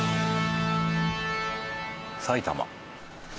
埼玉。